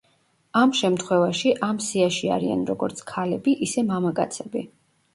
ამ შემთხვევაში ამ სიაში არიან როგორც ქალები, ისე მამაკაცები.